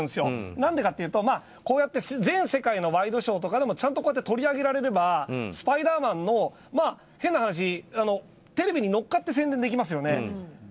何でかというと、こうやって全世界のワイドショーとかでちゃんと取り上げられれば「スパイダーマン」の変な話、テレビに乗っかって宣伝できますよね。